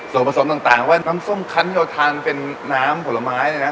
ส่วนผสมต่างว่าน้ำส้มคันเยียวทานเป็นน้ำผลไม้